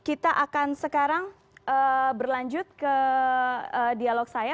dan kita akan sekarang berlanjut ke dialog saya